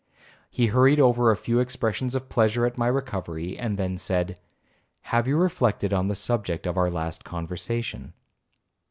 He hurried over a few expressions of pleasure at my recovery, and then said, 'Have you reflected on the subject of our last conversation?'